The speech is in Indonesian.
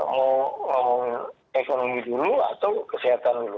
mau ekonomi dulu atau kesehatan dulu